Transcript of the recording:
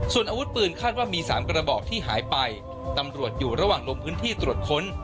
ส่วนอาวุธปืนคาดว่ามี๓กระบอกที่หายไปตำรวจอยู่ระหว่างลงพื้นที่ตรวจค้น